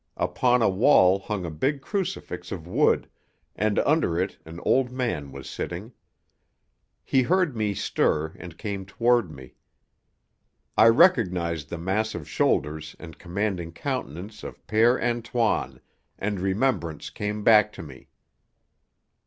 Upon a wall hung a big crucifix of wood, and under it an old man was standing. He heard me stir and came toward me. I recognized the massive shoulders and commanding countenance of Père Antoine, and remembrance came back to me.